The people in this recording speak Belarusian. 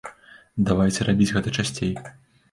Давайце рабіць гэта часцей.